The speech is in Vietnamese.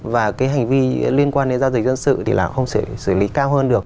và hành vi liên quan đến giao dịch dân sự thì không thể xử lý cao hơn được